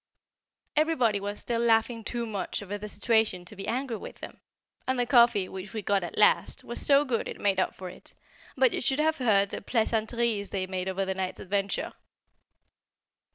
Everybody was still laughing too much over the situation to be angry with him; and the coffee, which we got at last, was so good it made up for it; but you should have heard the plaisanteries they made over the night's adventure!